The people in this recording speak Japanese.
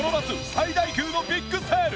最大級のビッグセール！！